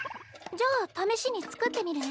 じゃあ試しに作ってみるね。